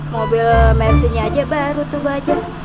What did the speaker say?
mobil mesinnya aja baru tuh baju